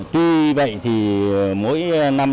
tuy vậy thì mỗi năm